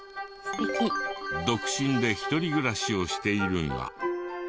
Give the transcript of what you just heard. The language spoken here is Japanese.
独身で１人暮らしをしているが。